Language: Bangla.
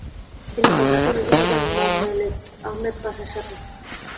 তিনি কন্যাকে বিবাহ দেন মমেলেক আহমেদ পাশার সাথে।